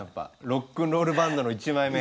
ロックンロールバンドの１枚目。